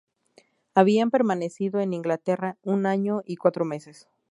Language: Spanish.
Habían permanecido en Inglaterra un año y cuatro meses.